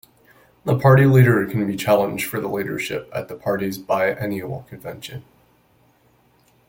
The party leader can be challenged for the leadership at the party's biennial convention.